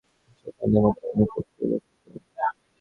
কিন্তু মোটের উপরে গ্রন্থকারের সহিত আমাদের মতের অনেক ঐক্যই লক্ষিত হয়।